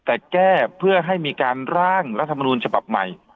แต่แก้เพื่อให้มีการร่างรัฐมนูลฉบับใหม่